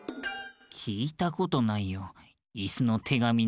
きいたことないよいすのてがみなんて。